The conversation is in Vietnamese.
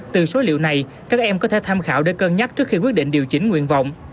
từ số liệu này các em có thể tham khảo để cân nhắc trước khi quyết định điều chỉnh nguyện vọng